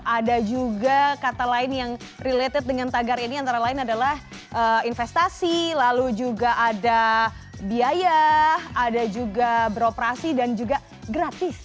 ada juga kata lain yang related dengan tagar ini antara lain adalah investasi lalu juga ada biaya ada juga beroperasi dan juga gratis